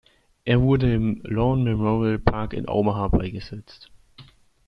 Er wurde im Lawn-Memorial-Park in Omaha beigesetzt.